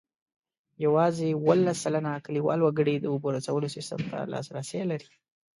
یوازې اوولس سلنه کلیوال وګړي د اوبو رسولو سیسټم ته لاسرسی لري.